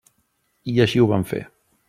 I així ho van fer.